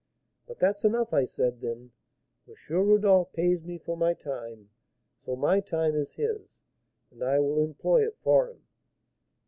But that's enough. I said, then, 'M. Rodolph pays me for my time, so my time is his, and I will employ it for him.'